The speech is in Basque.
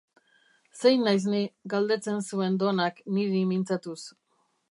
Zein naiz ni?, galdetzen zuen Donnak, niri mintzatuz.